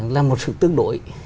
là một sự tương đối